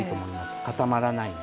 固まらないので。